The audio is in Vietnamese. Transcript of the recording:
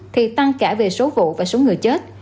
thì tăng cả về số vụ và số người chết